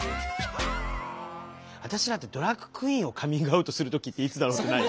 私らってドラァグクイーンをカミングアウトする時っていつだろうってない？